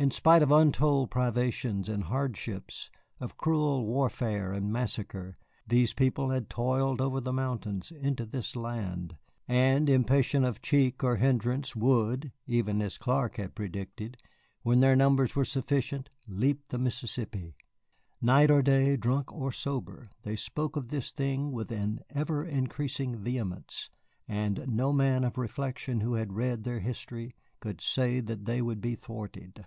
In spite of untold privations and hardships, of cruel warfare and massacre, these people had toiled over the mountains into this land, and impatient of check or hindrance would, even as Clark had predicted, when their numbers were sufficient leap the Mississippi. Night or day, drunk or sober, they spoke of this thing with an ever increasing vehemence, and no man of reflection who had read their history could say that they would be thwarted.